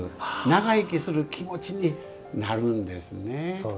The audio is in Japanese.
長生きする気持ちになるんですね。